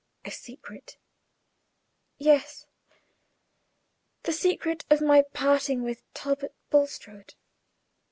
"A secret?" "Yes; the secret of my parting with Talbot Bulstrode.